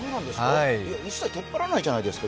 いや、一切テンパらないじゃないですか。